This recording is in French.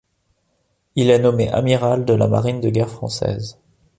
Il est nommé amiral de la marine de guerre française.